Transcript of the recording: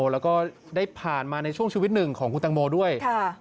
แล้วก็ได้ผ่านมาในช่วงชีวิตหนึ่งของคุณตังโมด้วย